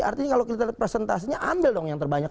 artinya kalau kita lihat presentasinya ambil dong yang terbanyak